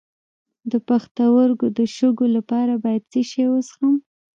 د پښتورګو د شګو لپاره باید څه شی وڅښم؟